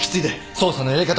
捜査のやり方を